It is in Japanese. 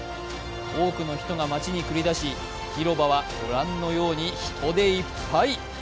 多くの人が街に繰り出し広場はご覧のように人でいっぱい。